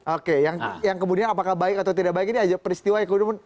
oke yang kemudian apakah baik atau tidak baik ini aja peristiwa yang kemudian